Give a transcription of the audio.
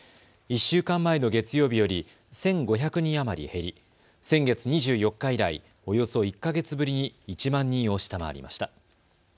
１週間前の月曜日より１５００人余り減り先月２４日以来、およそ１か月ぶりに１万人を下回りました。